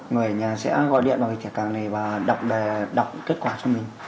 người ở nhà sẽ gọi điện vào cái thẻ càng này và đọc kết quả cho mình